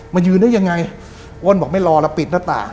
มายืนได้ยังไงอ้นบอกไม่รอแล้วปิดหน้าต่าง